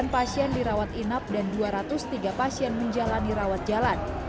enam pasien dirawat inap dan dua ratus tiga pasien menjalani rawat jalan